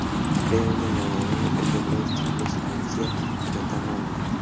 Previamente, el entrenador había logrado los títulos de la Liguilla y la tabla anual.